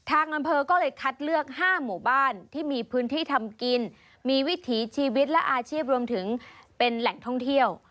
ทางอำเภอก็เลยคัดเลือก๕หมู่บ้านที่มีพื้นที่ทำกินมีวิถีชีวิตและอาชีพรวมถึงเป็นแหล่งท่องเที่ยว